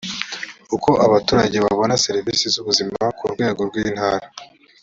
uko abaturage babona serivisi z ubuzima ku rwego rw intara